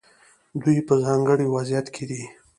دوی په یو ځانګړي وضعیت کې دي.